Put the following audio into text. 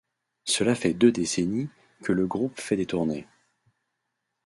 Cela fait deux décennies, que le groupe fait des tournées.